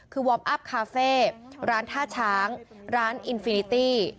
คือวอร์มอัพคาเฟ่ร้านท่าช้างร้านอินฟิลิตี้